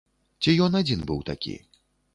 Ці ён адзін быў такі?